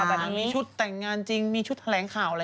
มีชุดแต่งงานจริงมีชุดแสรงข่าว